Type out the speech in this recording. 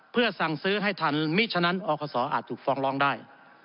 เพื่อสั่งซื้อให้ทันมิฉะนั้นอคศอาจถูกฟ้องร้องได้